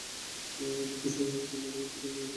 এ দুর্ধর্ষ বাহিনীকে তীব্রবেগে ছুটিয়ে নিয়ে যান তিনি।